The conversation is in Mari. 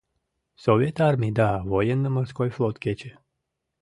Совет Армий да Военно-Морской Флот кече.